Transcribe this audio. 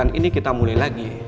dan ini kita mulai lagi